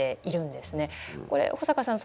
これ保阪さん